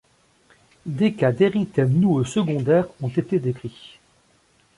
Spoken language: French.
Des cas d'érythème noueux secondaires ont été décrits.